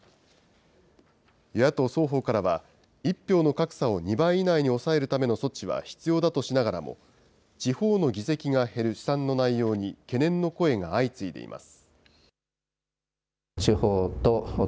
与野党双方からは、１票の格差を２倍以内に抑えるための措置は必要だとしながらも、地方の議席が減る試算の内容に懸念の声が相次いでいます。